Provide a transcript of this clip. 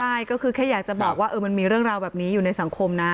ใช่ก็คือแค่อยากจะบอกว่ามันมีเรื่องราวแบบนี้อยู่ในสังคมนะ